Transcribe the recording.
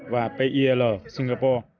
và pil singapore